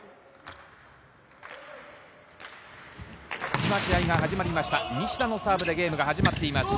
今、試合が始まりました、西田のサーブでゲームが始まっています。